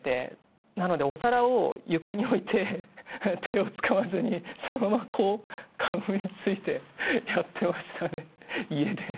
なのでお皿を床に置いて手を使わずにそのままこうかぶりついてやってましたね家で。